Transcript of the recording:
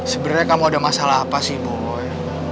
sebenarnya kamu ada masalah apa sih bu boy